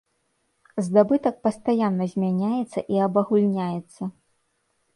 Здабытак пастаянна змяняецца і абагульняецца.